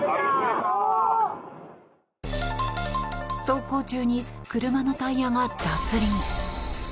走行中に車のタイヤが脱輪。